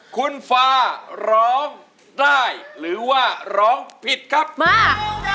คุณฟาร้องได้หรือว่าร้องผิดครับมา